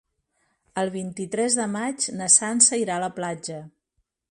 El vint-i-tres de maig na Sança irà a la platja.